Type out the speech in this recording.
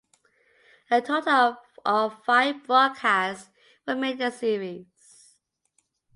A total of five broadcasts were made in the series.